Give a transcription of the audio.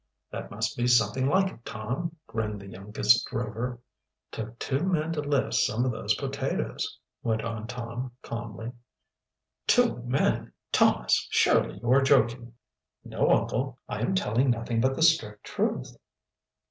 "That must be something like it, Tom," grinned the youngest Rover. "Took two men to lift some of those potatoes," went on Tom calmly. "Two men? Thomas, surely you are joking." "No, uncle, I am telling nothing but the strict truth."